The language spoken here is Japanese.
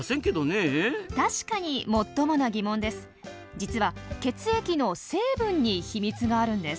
実は血液の成分に秘密があるんです。